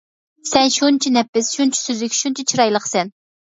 سەن شۇنچە نەپىس، شۇنچە سۈزۈك، شۇنچە چىرايلىقسەن.